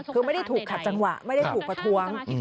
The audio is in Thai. คือไม่ได้ถูกขัดจังหวะไม่ได้ถูกประท้วง